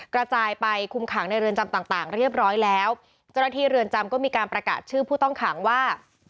กระจายไปคุมขังในเรือนจำต่างต่างเรียบร้อยแล้วเจ้าหน้าที่เรือนจำก็มีการประกาศชื่อผู้ต้องขังว่า